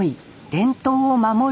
伝統を守る